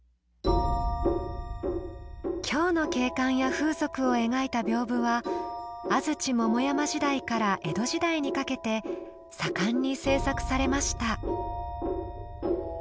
京の景観や風俗を描いた屏風は安土桃山時代から江戸時代にかけて盛んに制作されました。